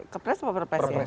kepres apa perpres ya